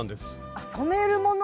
あ染めるもの。